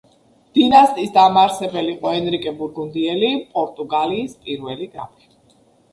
დინასტიის დამაარსებელი იყო ენრიკე ბურგუნდიელი, პორტუგალიის პირველი გრაფი.